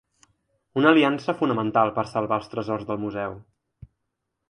Una aliança fonamental per a salvar els tresors del museu.